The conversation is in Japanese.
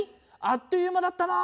あっという間だったな！